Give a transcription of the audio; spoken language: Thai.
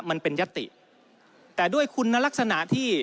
มันเป็นยติแต่ด้วยคุณลักษณะที่